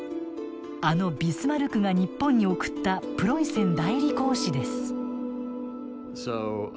あのビスマルクが日本に送ったプロイセン代理公使です。